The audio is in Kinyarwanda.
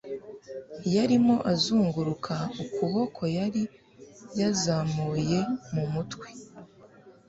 yarimo azunguruka ukuboko yari yazamuye mu mutwe